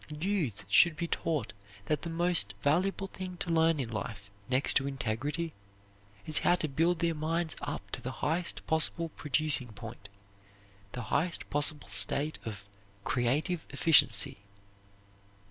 Youths should be taught that the most valuable thing to learn in life next to integrity is how to build their minds up to the highest possible producing point, the highest possible state of creative efficiency.